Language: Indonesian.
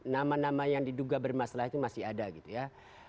nama nama yang diduga bermasalah itu masih ada gitu ya